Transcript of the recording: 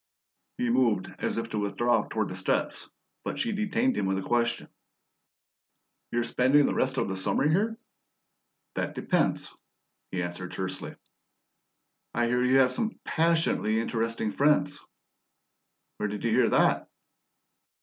He moved as if to withdraw toward the steps, but she detained him with a question. "You're spending the rest of the summer here?" "That depends," he answered tersely. "I hear you have some PASSIONATELY interesting friends." "Where did you hear that?"